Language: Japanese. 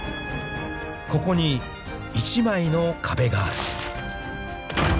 ［ここに１枚の壁がある］